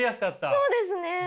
そうですね！